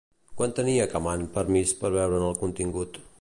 Quan tenia Acamant permís per veure'n el contingut?